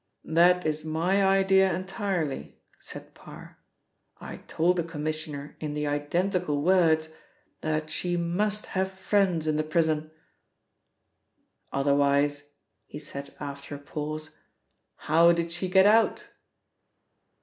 "That is my idea entirely," said Parr. "I told the Commissioner in the identical words that she must have friends in the prison. Otherwise," he said after a pause, "how did she get out?"